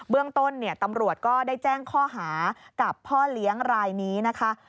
เรื่องต้นตำรวจก็ได้แจ้งข้อหากับพ่อเลี้ยงรายนี้นะคะ